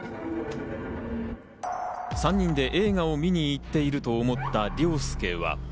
３人で映画を見に行っていると思った凌介は。